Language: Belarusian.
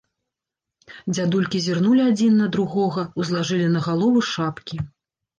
Дзядулькі зірнулі адзін на другога, узлажылі на галовы шапкі.